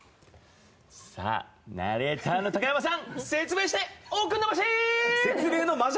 ナレーターの高山さん説明しておくんなまし！